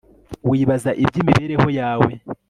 wibaza iby'imibereho yawe